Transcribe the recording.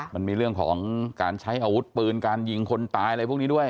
มันมีเรื่องของการใช้อาวุธปืนการยิงคนตายอะไรพวกนี้ด้วย